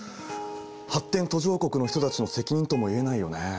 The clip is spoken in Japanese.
発展途上国の人たちの責任とも言えないよね。